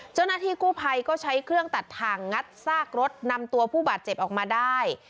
เจ้าหน้าที่กู้ภัยก็ใช้เครื่องตัดถ่างงัดซากรถนำตัวผู้บาดเจ็บออกมาได้